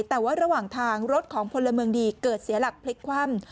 แต่ว่าระหว่างทางรถของพลเมืองดีเกิดเสียหลักพลิกคว่ำ